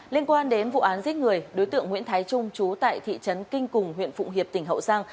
liên quan đến vụ án giết người đối tượng nguyễn thái trung chú tại thị trấn kinh cùng huyện phụng hiệp tỉnh hậu giang